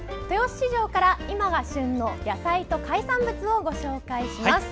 市場から今が旬の野菜と海産物を紹介します。